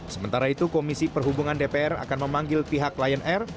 sementara itu komisi perhubungan dpr akan memanggil pihak lion air